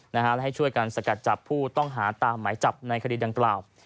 และให้ช่วยกันสกัดจับผู้ต้องหาตามหมายจับในคดีดังกล่าว